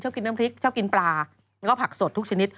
กินน้ำพริกชอบกินปลาแล้วก็ผักสดทุกชนิด